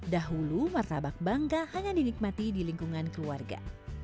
dahulu martabak bangka hanya dinikmati di lingkungan keluarga